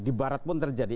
di barat pun terjadi